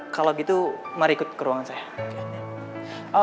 kalau gitu mari ikut ke ruangan saya